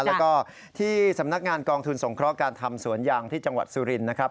แล้วก็ที่สำนักงานกองทุนสงเคราะห์การทำสวนยางที่จังหวัดสุรินทร์นะครับ